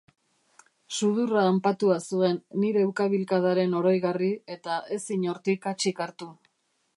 Sudurra hanpatua zuen, nire ukabilkadaren oroigarri, eta ezin hortik hatsik hartu.